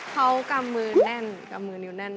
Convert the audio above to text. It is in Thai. เขากำมือแน่นกำมือนิ้วแน่น